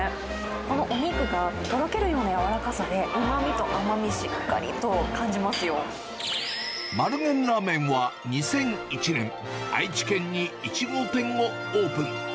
このお肉がとろけるようなやわらかさで、うまみと甘み、しっかり丸源ラーメンは、２００１年、愛知県に１号店をオープン。